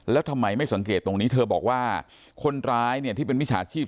แล้วทำไมไม่สังเกตตรงนี้เธอบอกว่าคนร้ายเนี่ยที่เป็นมิจฉาชีพ